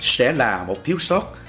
sẽ là một thiếu sót